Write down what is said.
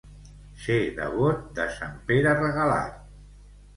Ser devot de sant Pere Regalat.